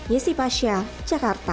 yesi pasha jakarta